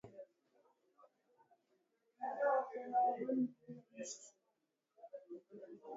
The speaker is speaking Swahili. Mnyama aliyeathirika kukosa kula hivyo basi kiwango chake cha maziwa kupungua